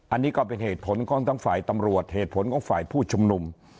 อันนี้ก็เป็นเหตุผลของทั้งฝ่ายตำรวจเหตุผลของฝ่ายผู้ชุมนุม